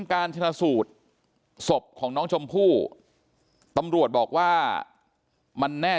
การชนะสูตรศพของน้องชมพู่ตำรวจบอกว่ามันแน่